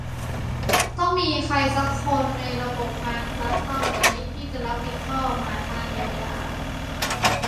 ต้องมีใครสักคนในระบบการรับเข้านี้ที่จะรับผิดชอบหาทางเยียวยา